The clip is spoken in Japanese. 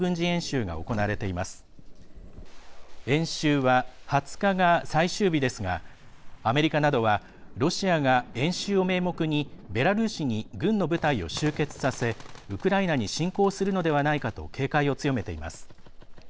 演習は、２０日が最終日ですがアメリカなどはロシアが演習を名目にベラルーシに軍の部隊を集結させウクライナに侵攻するのではないかと警戒を強めています。